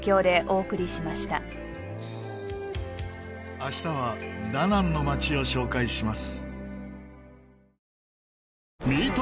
明日はダナンの街を紹介します。